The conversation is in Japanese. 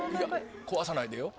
壊さないでよ。